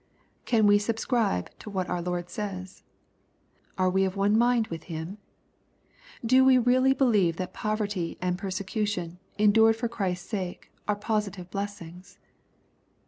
Can we subscribe to what our Lord says ? Are we of one mind with Him ? Do we really believe that poverty and persecution, endured for Christ's sake, are positive blessings